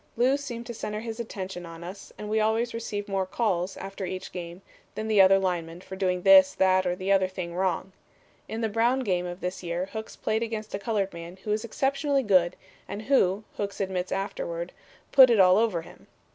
'Lew' seemed to center his attention on us as we always received more 'calls' after each game than the other linemen for doing this, that, or the other thing wrong. In the Brown game of this year Hooks played against a colored man who was exceptionally good and who, Hooks admitted afterward, 'put it all over' him.